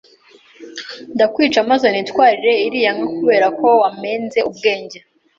ndakwica maze nitwarire iriya nka kubera ko wampenze ubwenge